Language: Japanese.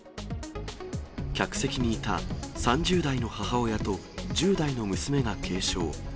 客席にいた３０代の母親と、１０代の娘が軽傷。